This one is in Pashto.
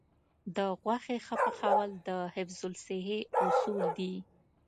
د غوښې ښه پخول د حفظ الصحې اصول دي.